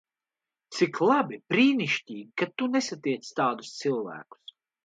Cik labi, brīnišķīgi, ka tu nesatiec tādus cilvēkus.